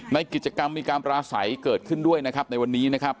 ในกิจกรรมมีการปราศัยเกิดขึ้นด้วยนะครับในวันนี้นะครับ